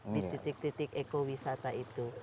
di titik titik ekowisata itu